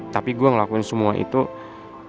tapi gue ngelakuin semua itu karena gue gak mau